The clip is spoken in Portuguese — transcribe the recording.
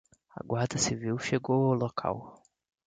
A Guarda Civil chegou ao local